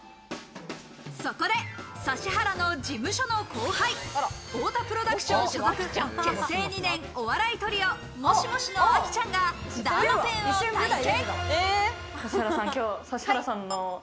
そこで指原の事務所の後輩、太田プロダクション所属、結成２年のお笑いトリオ、モシモシのあきちゃんがダーマペンを体験。